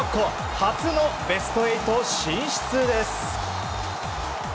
初のベスト８進出です。